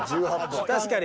確かに。